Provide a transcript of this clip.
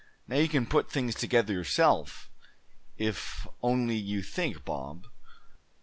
"Now, you can put things together yourself, if only you think, Bob.